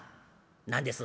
「何です？」。